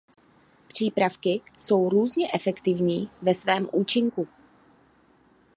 Přípravky jsou různě efektivní ve svém účinku.